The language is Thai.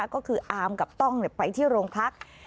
ก็คืออามกับต้องไปที่โรงพัก